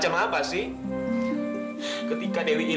nggak ada dewi